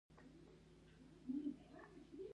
ختیځ ته یې د عبدالقادر جیلاني وطن عراق دی.